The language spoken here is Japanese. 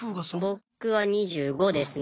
僕は２５ですね。